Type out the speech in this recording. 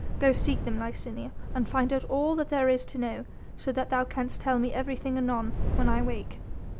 Go seek them, Licinia, and find out all that there is to know, so that thou canst tell me everything anon, when I wake."